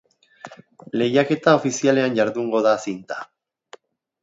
Lehiaketa ofizialean jardungo da zinta.